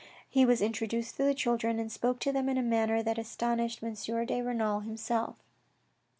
He was introduced to the children and spoke to them in a manner that astonished M. de Renal himself.